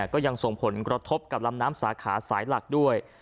ก็ยังส่งผลกระทบกับลำน้ำสาขาสายหลักด้วย